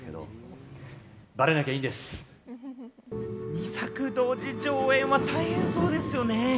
２作同時上演は大変そうですよね。